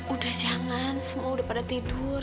udah jangan semua udah pada tidur